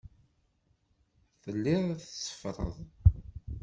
Telliḍ tetteffreḍ.